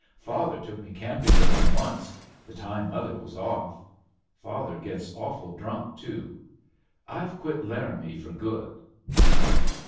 "Father took me camping with him i* once, the time mother was off. Father gets awful drunk, too. I've quit Laramie for good."